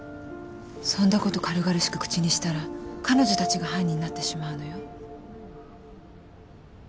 そんなこと軽々しく口にしたら彼女たちが犯人になってしまうのよ。